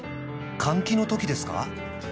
換気のときですか？